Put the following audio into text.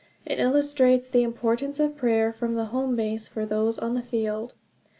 It illustrates the importance of prayer from the home base for those on the field.